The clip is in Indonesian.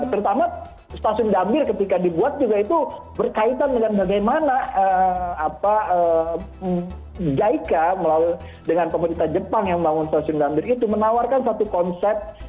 terutama stasiun gambir ketika dibuat juga itu berkaitan dengan bagaimana jaika melalui dengan pemerintah jepang yang membangun stasiun gambir itu menawarkan satu konsep